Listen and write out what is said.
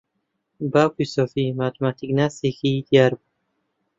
باوکی سۆفی ماتماتیکناسێکی دیار بوو.